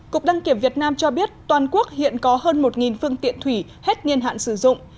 cục đăng kiểm việt nam cho biết toàn quốc hiện có hơn một phương tiện thủy hết nhiên hạn sử dụng